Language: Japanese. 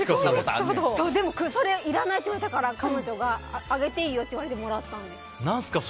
でも、それいらないって言われたからあげていいよって言われてもらったんです。